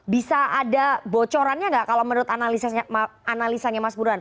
bisa ada bocorannya nggak kalau menurut analisanya mas burhan